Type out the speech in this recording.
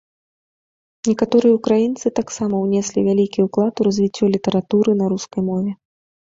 Некаторыя ўкраінцы таксама ўнеслі вялікі ўклад у развіццё літаратуры на рускай мове.